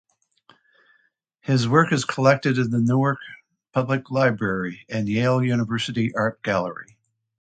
His work is collected in the Newark Public Library and Yale University Art Gallery.